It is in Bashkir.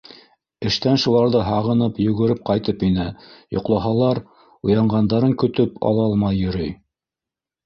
Эштән шуларҙы һағынып, йүгереп ҡайтып инә, йоҡлаһалар, уянғандарын көтөп ала алмай йөрөй.